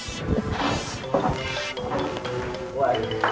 tak berhasil buat bebas